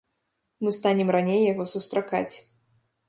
Мы станем раней яго сустракаць.